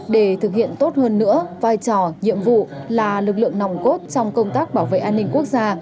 để thực hiện tốt hơn nữa vai trò nhiệm vụ là lực lượng nòng cốt trong công tác bảo vệ an ninh quốc gia